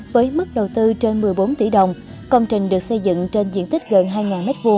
với mức đầu tư trên một mươi bốn tỷ đồng công trình được xây dựng trên diện tích gần hai m hai